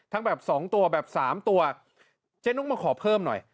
ทั้งแบบสองตัวแบบสามตัวเจ๊นุ๊กมาขอเพิ่มหน่อย